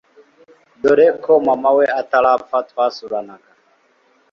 dore ko mama we atarapfa twasuranaga